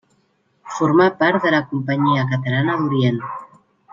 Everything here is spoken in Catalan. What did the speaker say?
Formà part de la Companyia Catalana d'Orient.